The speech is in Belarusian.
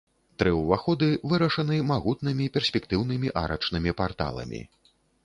Тры ўваходы вырашаны магутнымі перспектыўнымі арачнымі парталамі.